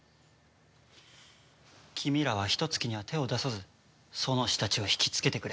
君らはヒトツ鬼には手を出さずソノシたちを引きつけてくれ。